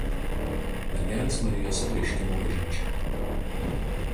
Mergelės Marijos Apreiškimo" bažnyčia.